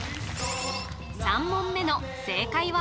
３問目の正解は？